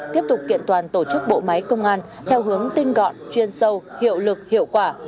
tiếp tục kiện toàn tổ chức bộ máy công an theo hướng tinh gọn chuyên sâu hiệu lực hiệu quả